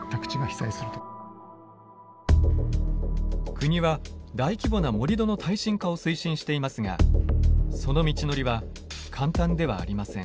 国は大規模な盛土の耐震化を推進していますがその道のりは簡単ではありません。